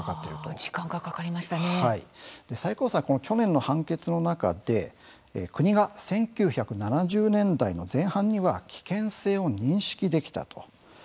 この去年の判決の中で国が１９７０年代の前半には危険性を認識できたと。